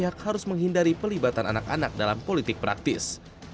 dan seluruh pihak harus menghindari pelibatan anak anak dalam politik praktis